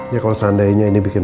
ya kalau seandainya ini bikin